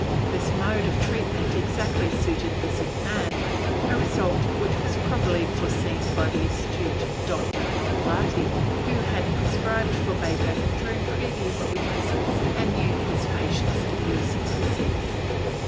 This mode of treatment exactly suited the sick man, a result which was probably foreseen by the astute Dr. Malfatti, who had prescribed for Beethoven during previous illnesses and knew his patient's idiosyncrasies.